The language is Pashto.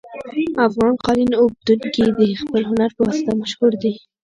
افغان قالین اوبدونکي د خپل هنر په واسطه مشهور دي